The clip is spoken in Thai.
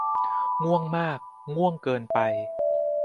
ง่วงมาก ง่วงเกินไป